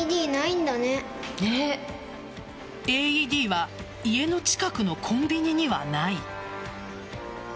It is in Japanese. ＡＥＤは家の近くのコンビニにはない。